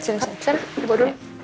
sen ibu dulu